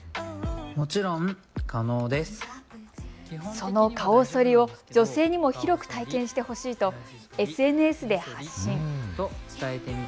その顔そりを女性にも広く体験してほしいとＳＮＳで発信。